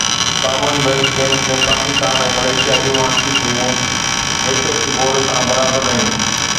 ڪمن wealth games ۾ Pakistan ۽ Malaysia جون hockey ٽيمون هڪ هڪ گول سان برابر رهيون